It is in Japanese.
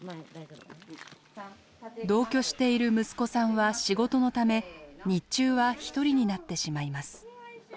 同居している息子さんは仕事のため日中は１人になってしまいます。